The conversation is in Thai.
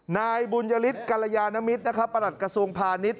นายบุญยฤทธิ์กรรยานมิตรประดัติกระทรวงภานิษฐ์